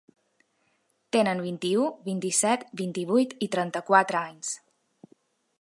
Tenen vint-i-u, vint-i-set, vint-i-vuit i trenta-quatre anys.